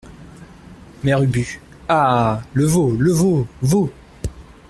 Mère Ubu Ah ! le veau ! le veau ! veau !